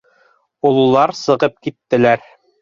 Ололар сығып киттеләр.